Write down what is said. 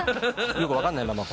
よく分かんないまま。